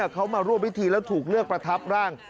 เขามาร่วมพิธีแล้วถูกเลือกประทับร่าง